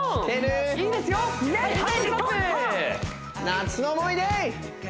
夏の思い出！